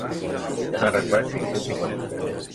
Ja se n’han recuperat cinc-cents cinquanta-set.